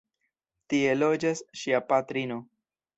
Tie loĝas ŝia patrino.